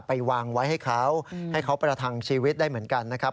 ไปวางไว้ให้เขาให้เขาประทังชีวิตได้เหมือนกันนะครับ